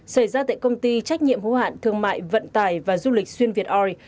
xảy ra tại công ty trách nhiệm hữu hạn thương mại vận tải và du lịch xuyên việt oi